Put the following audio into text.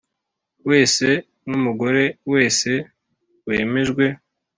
Wese n umugore wese wemejwe